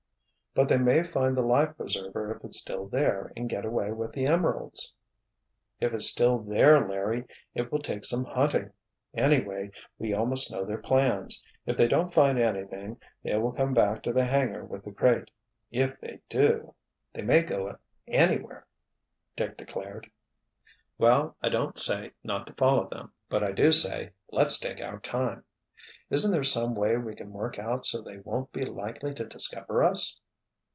"But they may find the life preserver if it's still there and get away with the emeralds." "If it's still there, Larry, it will take some hunting. Anyway, we almost know their plans. If they don't find anything they will come back to the hangar with the crate. If they do——" "They may go anywhere," Dick declared. "Well, I don't say not to follow them. But I do say let's take our time. Isn't there some way we can work out so they won't be likely to discover us?"